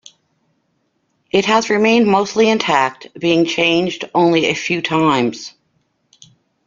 It has remained mostly intact, being changed only a few times.